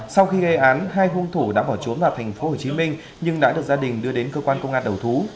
sau khi gây án hai hung thủ đã bỏ trốn vào thành phố hồ chí minh nhưng đã được gia đình đưa đến cơ quan công an đầu thú